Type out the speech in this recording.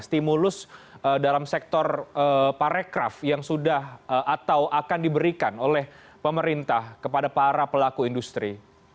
stimulus dalam sektor parekraf yang sudah atau akan diberikan oleh pemerintah kepada para pelaku industri